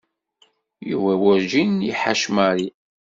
Yuba werǧin i iḥac Mary.